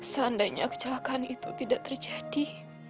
seandainya kecelakaan itu tidak terjadi